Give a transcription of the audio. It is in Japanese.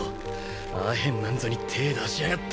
アヘンなんぞに手ぇ出しやがって！